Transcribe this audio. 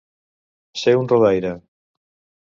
Ser un rodaire.